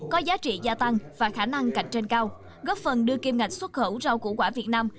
có giá trị gia tăng và khả năng cạnh trên cao góp phần đưa kiêm ngạch xuất khẩu rau củ quả việt nam